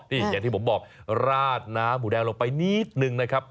นี่อย่างที่ผมบอกราดน้ำหมูแดงลงไปนิดนึงนะครับ